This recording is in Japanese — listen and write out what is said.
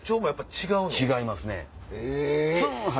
違いますね。